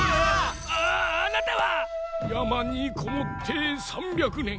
あぁあなたは⁉やまにこもって３００ねん。